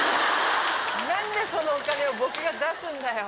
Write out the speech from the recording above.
何でそのお金を僕が出すんだよ！